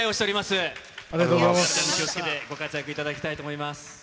体に気をつけて、ご活躍いただきたいと思います。